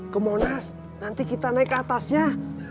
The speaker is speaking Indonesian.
ke monas nanti kita naik ke atasnya